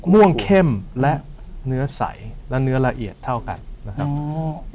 ม่วงเข้มและเนื้อใสและเนื้อละเอียดเท่ากันนะครับ